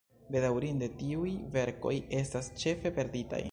Bedaŭrinde tiuj verkoj estas ĉefe perditaj.